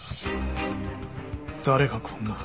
誰がこんな。